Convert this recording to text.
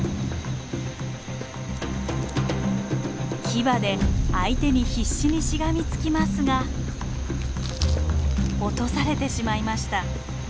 キバで相手に必死にしがみつきますが落とされてしまいました。